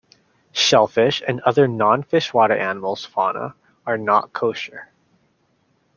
Shellfish and other non-fish water animals fauna are not kosher.